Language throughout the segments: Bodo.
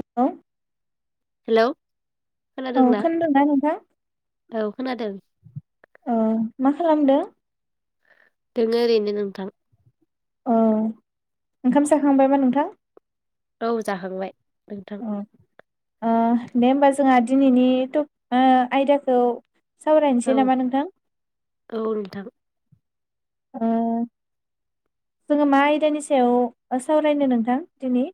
हेल' हेलौ खोनादोंना औ खोनादों औ मा खालामदों? दोङो ओरैनो नोंथां अ ओंखाम जाखांबाय बा नोंथां? औ जाखांबाय नोंथां औ ओ दे होमबा जोंहा दिनैनि टपिक ओ आयदाखौ औ सावरायनोसै नामा नोंथां? औ नोंथां अ जोङो मा आयदानि सायाव ओ सावरायनो नोंथां दिनि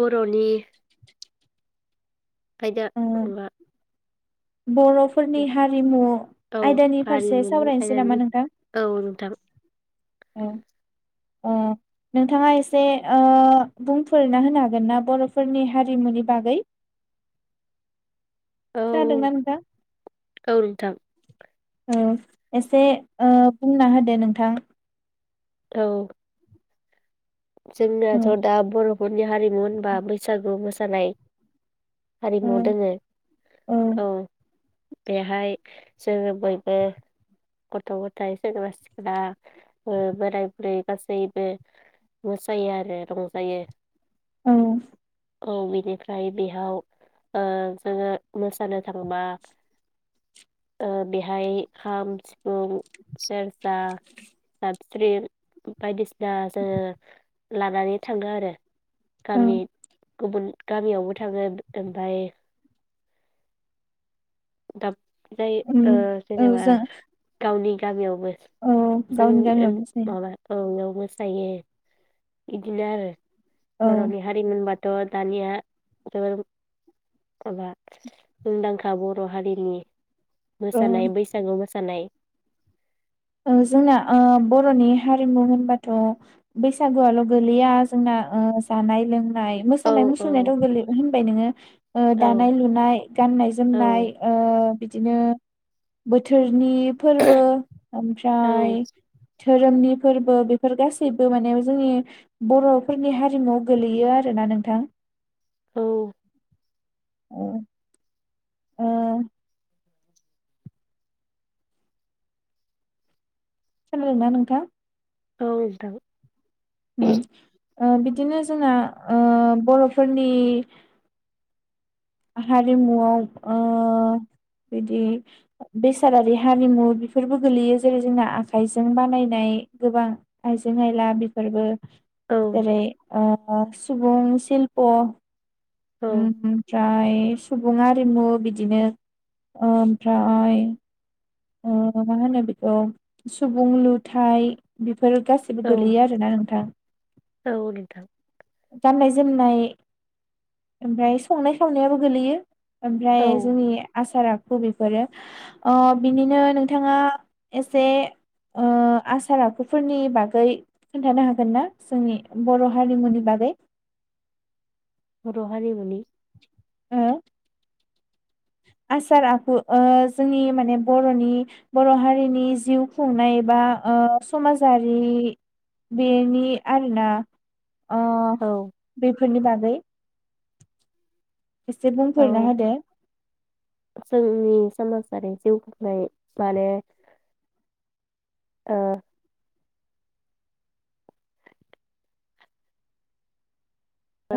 बर'नि ओ [unintelligible] बर'फोरनि हारिमु औ आयदानि फारसे हारिमुनि सावरायनोसै नामा आयदानि नोंथां? औ नोंथां ओं ओ नोंथाङा एसे ओ बुंफोरना होनो हागोन ना बर'फोरनि हारिमुनि बागै? औ खोनादोंना नोंथां? औ नोंथां। औ एसे बुंना होदो नोंथां। औ जोंनो दा ब बर'फोरनि हारिमु होनबा बैसागु मोसानाय औ हारिमु दोङो औ। बेहाय जोङो बयबो गथ' गथाइ सेंग्रा सिख्ला बोराय बुरै गासैबो मोसायो आरो रंजायो। औ औ बिनिफ्राय बेयाव ओ जोङो मोसानो थांबा बेहाय खाम, सिफुं, सेरजा, जाबस्रि बायदिसिना जोङो लानानै थाङो आरो। औ [unintelligible] गुबुन गामियावबो थाङो ओमफाय दाब जाय उम ओ औ जेनेबा जों गावनि दा बेयावबो औ गावनि जोंनि गामियाव मोसायो माबा औ मोसायो। बिदिनो आरो औ बर'नि हारिमुनि बाथ थ' दानिया माबा मुंदांखा बर' हारिनि औ मोसानाय बैसागु मोसानाय। जोंना बर'नि हारिमु होनबाथ' बैसागुआल' गोलैया जोंना जानाय लोंनाय नाय औ मोसानाय मुसुरनाय गो-होनबाय नोङो औ दानाय लुनाय गान्नाय औ जोमनाय बि बिदिनो बोथोरनि फोरबो औ ओमफ्राय धोरोमनि फोरबो बेफोर गासैबो माने जोंनि बर'फोरनि हारिमुआव गोलैयो आरोना नोंथां। ओम खोनादोंना नोंथा? औ नोंथां। उम ओ बिदिनो जोंना बर'फोरनि हारिमुआव बिदि बेसादारि हारिमु बेफोरबो गोलैयो जेरै जोंना आखाइजों बानायनाय गोबां आइजें आयला बेफोरबो औ जेरै आ सुबुं सिल्प' औ ओमप्राय सुबुं आरिमु बिदिनो ओमफ्राय मा होनो बेखौ सुबुं लुथाय बेफोर गासिबो गोलैयो आरोना नोंथां औ नोंथां गाननाय जोमनाय ओमफ्राय संनाय खावनायाबो गोलैयो औ ओमफ्राय जोंनि आसारा बेफोरो आ बिनिनो नोंथाङा एसे आसार आखुफोरनि बागै खोन्थानो हागोन ना जोंनि बर' हारिमुनि बागै बर' हारिमुनि ओ आसार आखु जोंनि माने बर'नि बर' हारिनि जिउ खुंनाय बा समाजारि बेनि आरोना औ बेफोरनि बागै एसे बुंफोर ना औ होदो जोंनि समाजारि जिउ खुंनाय माने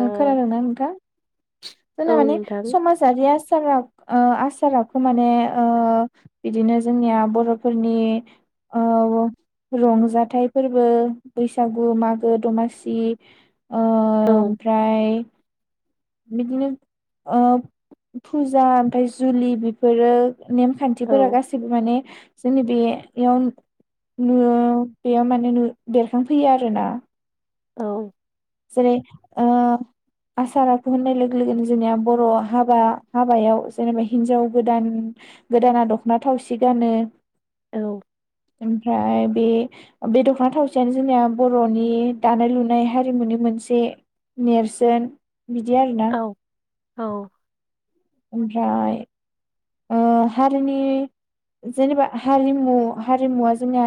ओ खोनादोंना नोंथां? औ जों मानि नोंथां समाजारि आसारा आसारखौ माने बिदिनो जोंनिया बर'फोरनि रंजाथाइ फोरबो बैसागु मागो दमासि औ ओमफ्राय बिदिनो ओ फुजा ओमफ्राय जुलि बेफोरो औ नेमखान्थिफोरा गासैबो माने जोंनि बे बेयाव नु बेयाव माने बेरखांफैयो आरो ना औ जेरै आसाराखौ होननाय लोगो लोगोनो जोंनिया बर' हाबा हाबायाव जेनेबा हिनजाव गोदान गोदाना दख'ना थावसि गानो ओमफ्राय बे बे दख'ना थावसेयानो जोंनि बर'नि दानाय लुनाय हारिमुनि मोनसे नेरसोन बिदि आरोना औ औ ओमफ्राय हारिनि जेनेबा हारिमु हारिमुवा जोंना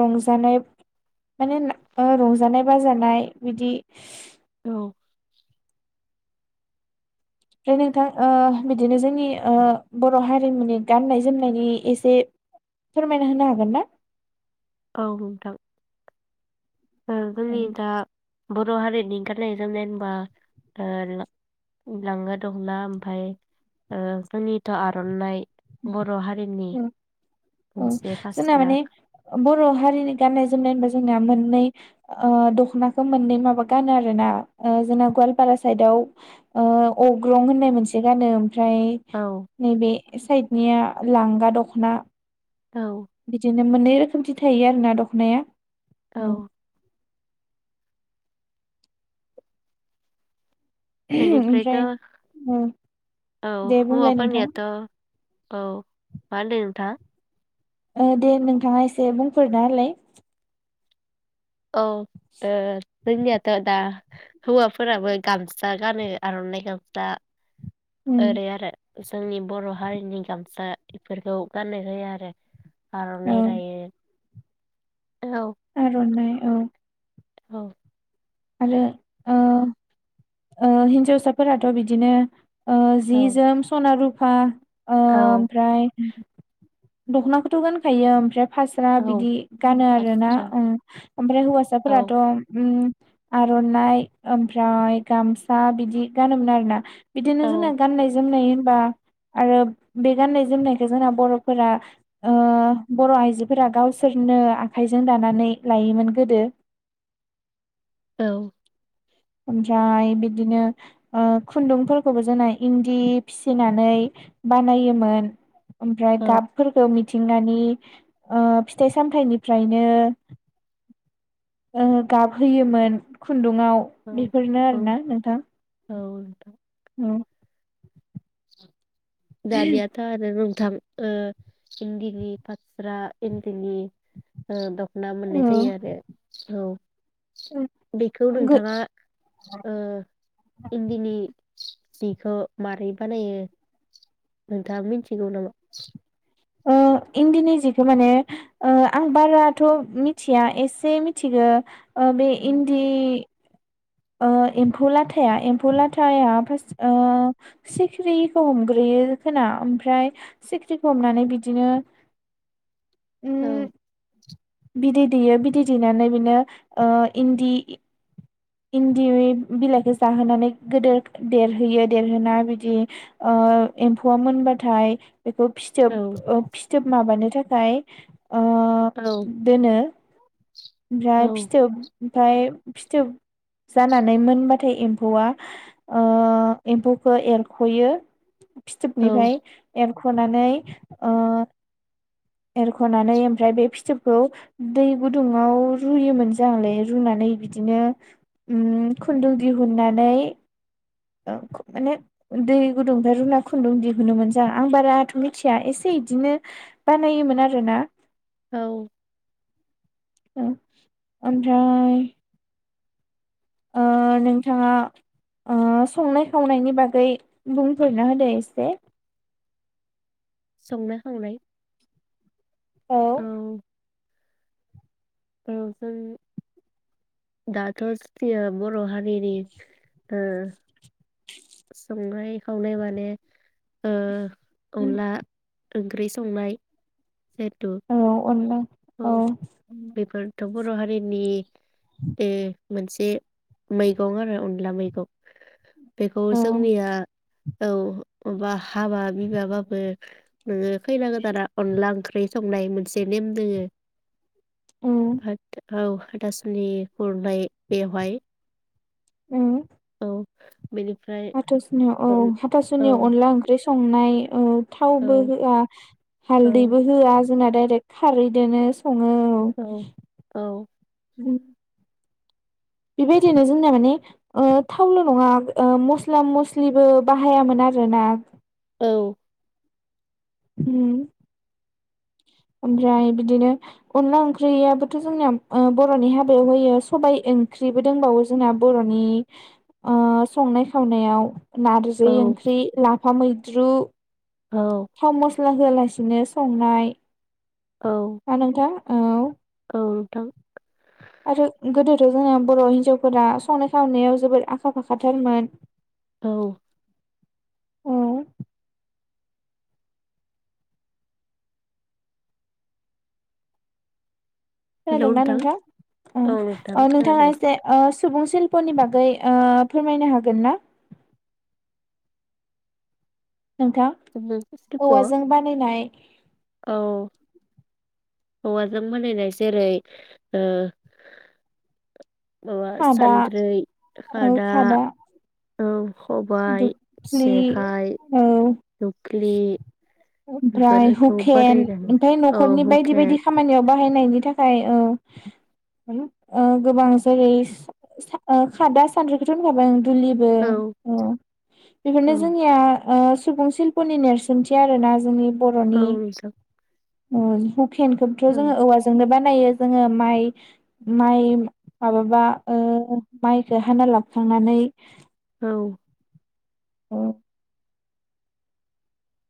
रंजानाय माने रंजानाय बाजानाय बिदि ओमफ्राय नोंथां बिदिनो जोंनि बर' हारिमुनि मानि गाननाय जोमनायनि एसे फोरमायना होनो हागोन ना औ नोंथां ओं जोंनि दा बर' हारिनि ओंखारनाय जोमनाय होनबा लाङो दंना ओमफ्राय जोंनिथ' आर'नाइ बर' हारिनि औ गंसे जोंना फास्रा माने बर' हारिनि गाननाय जोमनाय होन जोंना मोननै ओ दख'नाखौ मोननै माबा गानो आरोना ओ जोंना गवालपारा साइदाव ओ अग्रं होननाय मोनसे गानो ओमफ्राय औ नैबे साइदनिया लांगा दख'ना औ बिदिनो मोननै रोखोमथि थायो आरो ना दख'नाया औ बेनिफ्रायथ' ओमफ्राय ओ औ दे बुंलाय नोंथां हौवाफोरनियाथ' औ मा होनदों नोंथां? ओ दे नोंथाङा एसे बुंफोरना होलाय। औ ए। जोंनियाथ' दा हौवाफोराबो गामसा गानो आरनाइ गामसा। उम ओरै आरो। जोंनि बर' हारिनि गामसा एफोरखौ गाननो होयो आरो। औ आरनाइ रायो। आर'नाइ। औ। औ। आरो ओ ओ हिन्जावसाफोराथ' बिदिनो ओ जि औ जोम सना रुप फा औ उम। दख'नाखौथ' गानखायो ओमफ्राय फास्रा औ बिदि गानो आरोना आस्रा ओ ओमफ्राय औ हौवासाफोराथ उम आर'नाइ ओमफ्राय गामसा बिदि गानोमोन आरोना। बिदिनो औ जोंना गाननाय जोमनाय बा आरो बे गानायनाय जोमनायखौ जोंना बर'फोरा ओ बर' आइजोफोरा गावसोरनो आखाइजों दानानै लायोमोन गोदो। औ। ओमफ्राय बिदिनो ओ खुन्दुंफोरखौबो जोंना इन्दि फिसिनानै बानायोमोन। ओमफ्राय औ गाबफोरखौ मिथ थिंगानि ओ फिथाइ सामथायाइनिफ्रायनो ओ गाब होयोमोन खुन्दुंङाव। औ बेफोरनो आरोना नोंथां। औ नोंथा। औ। दानियाथ' आरो नोंथां। ओ इन्दिनि फास्रा इन्दिनि ओ दख'ना मोननाय औ जायो आरो औ। बेखौ नोंथाङा ओ इन्दिनि जिखौ मारै बानायो? नोंथाङा मिथिगौ नामा? ओ इन्दिनि जिखो माने ओ आं बाराथ' मिथिया एसे मिथिगो। ओ बे औ इन्दि ओ एम्फौ लाथाया एम्फौ लाथाया फार्स्ट ओ सिखिरिखौ हमग्रोयो खोना ओमफ्राय सिख्रिखौ हमनानै बिदिनो उम औ बिदै दैयो बिदै दैनानै बिनो ओ इन्दि इन्दि [unintelligible] बिलाइखौ जाहोनानै गोदोर देरहोयो देरहोना बिदि ओ एम्फौआ मोनबाथाय बेखौ फिथोब औ ओ फिथोब माबानो थाखा फ्राय ओ दोनो ओमफ्राय औ फिथोब ओमफाय फिथोब जानानै मोनबाथाय एम्फौआ ओ एम्फौखौ एरख'यो। औ फिथोबनिफाय एर ख'नानै ओ एरख'नानै ओमफ्राय बे फिथोबखौ दै गुदुङाव रुयोमोन जांलै रुनानै बिदिनो उम खुन्दुं दिहुननानै ओ खु माने दै गुदुंनिफाय रुना खुन्दुं दिहुनोमोन जां आं बाराथ' मिथिया एसे इदिनो बानायोमोन आरोना। औ ओ ओमफ्राय ओ नोंथाङा ओ संनाय खावनायनि बागै बुंफोरना होदो एसे। संनाय खावनाय औ औ जों दाथ' [unintelligible] बर' हारिनि ओ संनाय खावनाय माने ओ अनला ओंख्रि संनाय। जेतु औ अनला औ उम बेफोरथ' बर' हारिनि बे मोनसे मैगं आरो अनला मैगं। बेखौ औ जोंनिया औ बा हाबा बिबाबाबो नोङो खैना गोदाना अनला ओंख्रि संनाय मोनसे नेम दोङो [inaudible] औ [unintelligible] औ हाथासुनि खुरनाय बेवहाय औ औ बेनिफ्राय हाथासुनियाव औ औ हाथासुनियाव अनला ओंख्रि सं संनाय ओ। औ थावबो होआ औ हालदैबो होआ। जोंना डाइरेक्ट खारै दोनो सङो औ। औ बिबायदिनो जोंना माने ओ थावल' नङा ओ मस्ला मस्लिबो बाहायामोन आरोना। औ। होम। ओमफ्राय बिदिनो अनला ओंख्रियाबोथ' जोंनाया ओ बर'नि हाबायाव होयो सबायाइ ओंख्रिबो दंबावो जोंना बर'नि संनाय खावनायाव। औ नारजि ओंख्रि लाफ हा मैद्रु। औ। होआ होलासिनो संनाय। औ आ नोंथा। औ नोंथां। आरो गोदोथ' जोंना बर' हिन्जावफोरा संनाय खावनायाव जोबोद आखा फाखाथारमोन। औ। औ। खोनादोंना नोंथां ओ औ नोंथां ओ नोंथाङा खोनादों एसे ओ। सुबुं सिल्प'नि बागै फोरमायनो हागोन ना। नोंथां औवाजों बानायनाय। औ औवाजों बानायनाय जेरै ओ। माबा खादा सानद्रै खादा औ। खबाइ दुखलि औ। नखलि। ओमफ्राय हुकेन ओमफाय औ न'खरनि बायदि बायदि हुखेन खामानियाव बाहायनायनि थाखाय। हेल' ओ गोबां जेरै सा खादा सान्द्रिखौथ' होनखाबाय आं। दुलिबो। औ ओ बेफोरनो औ जोंनिया। ओ सुबुं शिल्पनि नेरसोनथि आरोना जोंनि। बर'नि। औ नोंथां औ हुग हुखेन खोनथ' औ जोङो औवाजोंनो बानाय खायो जोङो माइ माइ माबाबा ओ माइखौ हाना लाबखांनानै। औ। अ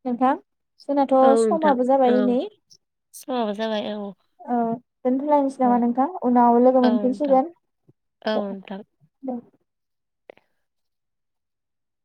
नोंथां जोंनाथ' औ नोंथां समाबो औ जाबाय इनै समाबो जाबाय औ औ दोनथ लायनोसै औ नामा नोंथां उनाव लोगो औ नोंथां मोनफिनसिगोन औ ओ नोंथां औ